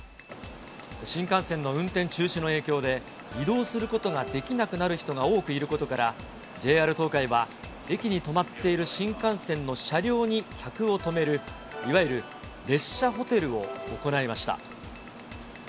新幹線の運転中止の影響で、移動することができなくなる人が多くいることから、ＪＲ東海は駅に止まっている新幹線の車両に客を泊めるいわゆる列車ホテルを行いました。